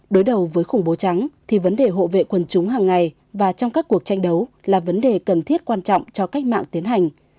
đối đầu với khủng bố trắng thì vấn đề hộ vệ quần chúng hàng ngày và trong các cuộc tranh đấu là vấn đề cần thiết quan trọng cho cách mạng tiến hành